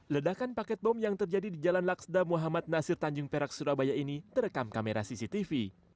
ledakan paket bom yang terjadi di jalan laksda muhammad nasir tanjung perak surabaya ini terekam kamera cctv